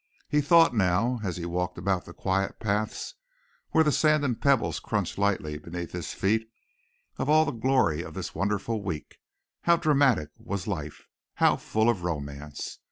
He thought now, as he walked about the quiet paths where the sand and pebbles crunched lightly beneath his feet, of all the glory of this wonderful week. How dramatic was life; how full of romance.